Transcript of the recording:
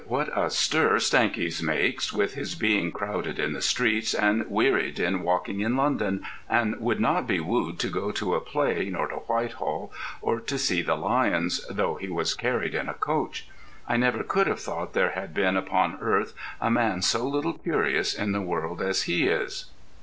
what a stir Stankes makes, with his being crowded in the streets, and wearied in walking in London, and would not be wooed to go to a play, nor to Whitehall, or to see the lions, though he was carried in a coach. I never could have thought there had been upon earth a man so little curious in the world as he is.